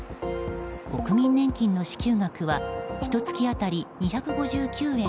国民年金の支給額はひと月当たり２５９円